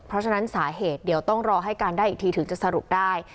เพราะฉะนั้นสาเหตุเดี๋ยวต้องรอให้การได้อีกทีถึงจะสรุปได้